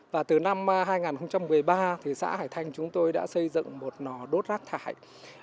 và từ năm hai nghìn một mươi ba thì xã hải thanh chúng tôi đã xây dựng một nò đốt rác thải